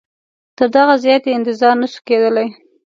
تر دغه زیات یې انتظار نه سو کېدلای.